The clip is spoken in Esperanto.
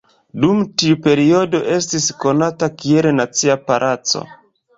Dum tiu periodo estis konata kiel Nacia Palaco.